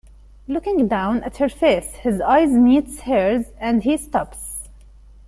Looking down at her face, his eye meets hers, and he stops.